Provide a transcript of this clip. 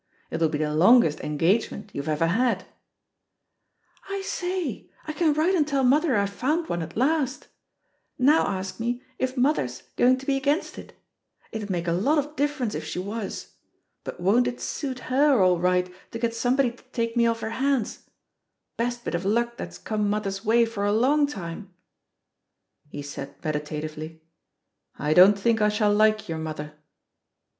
It'll be the longest 'engagement' you've ever had I" "I say, I can write and tell mother I've found one at last I Now ask me if mother's going to be against it. It'd make a lot of difference if she was. But won't it suit her all right to get some body to take me off her hands 1 Best bit of luck that's come mother's way for a long time." He said meditatively, "I don't think I shall like your mother."